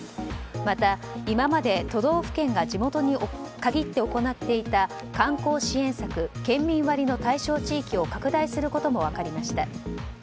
また、今まで都道府県が地元に限って行っていた観光支援策県民割の対象地域を拡大することも分かりました。